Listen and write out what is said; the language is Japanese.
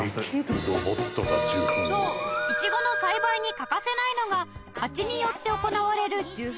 そうイチゴの栽培に欠かせないのがハチによって行われる受粉